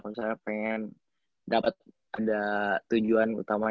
kalau misalnya pengen dapat ada tujuan utamanya